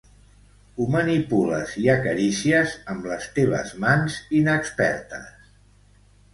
Ho manipules i acaricies amb les teves mans inexpertes.